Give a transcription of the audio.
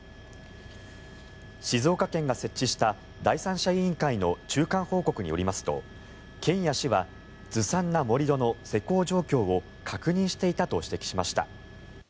静岡県が設置した第三者委員会の中間報告によりますと県や市はずさんな盛り土の施工状況を確認していたと指摘しました。